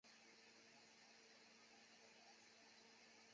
大多喜城曾经存在的一座连郭式平山城。